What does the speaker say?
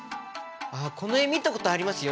あこの絵見たことありますよ。